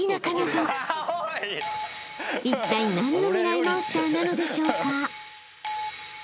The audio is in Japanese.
［いったい何のミライ☆モンスターなのでしょうか？］